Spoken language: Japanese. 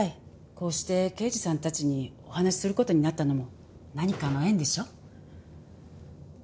こうして刑事さんたちにお話しする事になったのも何かの縁でしょ？